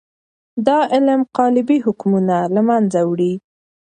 دا علم قالبي حکمونه له منځه وړي.